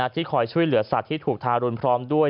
ที่คอยช่วยเหลือสัตว์ที่ถูกทารุณพร้อมด้วย